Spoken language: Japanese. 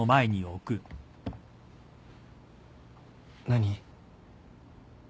何？